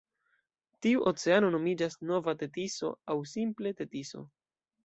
Tiu oceano nomiĝas Nova Tetiso aŭ simple Tetiso.